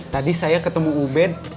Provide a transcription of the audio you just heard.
tadi saya ketemu ubed